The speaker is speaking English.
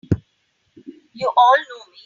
You all know me!